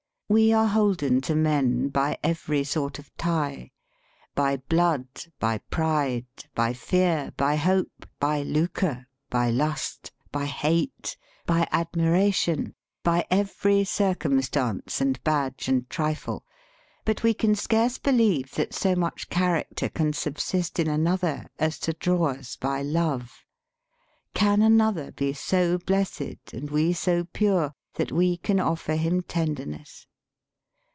We are holden to men by every sort of tie, by blood, by pride, by fear, by hope, by lucre, by lust, by hate, by admiration, by every circumstance and badge and trifle, but we can scarce believe that so much character can subsist in another as to draw us by love. Can another be so blessed and we so pure that we can offer him tenderness